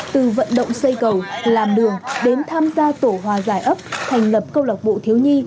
từ vận động xây cầu làm đường đến tham gia tổ hòa giải ấp thành lập câu lạc bộ thiếu nhi